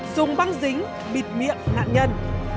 dùng băng dính bịt miệng nạn nhân